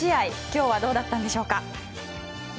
今日はどうだったんでしょうか。